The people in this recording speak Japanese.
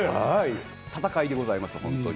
戦いでございます。